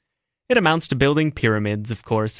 "It amounts to building pyramids, of course."